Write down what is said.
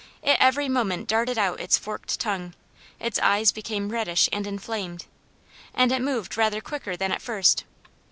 It every moment darted out its forked tongue, its eyes became reddish and inflamed, and it moved rather quicker than at first.